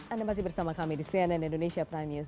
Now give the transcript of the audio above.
anda masih bersama kami di cnn indonesia prime news